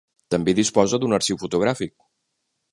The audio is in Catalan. També disposa d'un arxiu fotogràfic.